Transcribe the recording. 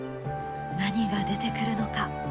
何が出てくるのか？